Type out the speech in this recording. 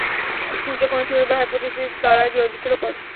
যে কোনো থিওরি বা হাইপোথিসিস দাঁড়ায় লজিকের ওপর।